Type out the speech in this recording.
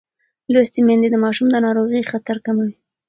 لوستې میندې د ماشوم د ناروغۍ خطر کموي.